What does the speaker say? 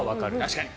確かに。